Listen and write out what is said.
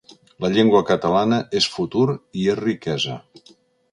La llengua catalana és futur i és riquesa.